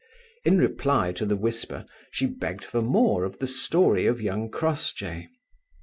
In reply to the whisper, she begged for more of the story of young Crossjay.